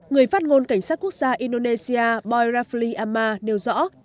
người phát ngôn cảnh sát quốc gia indonesia boy rafli amma nêu rõ